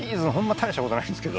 大した事ないんですけど。